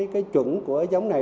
cái chuẩn của giống này